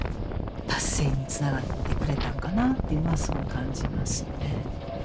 達成につながってくれたんかなっていうのはすごい感じますよね。